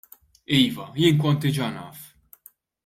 Iva, jien kont diġà naf.